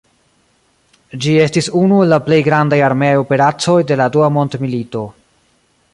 Ĝi estis unu el la plej grandaj armeaj operacoj de la Dua mondmilito.